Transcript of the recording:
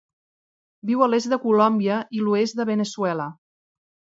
Viu a l'est de Colòmbia i l'oest de Veneçuela.